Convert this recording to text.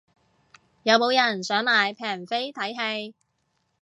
有冇人想買平飛睇戲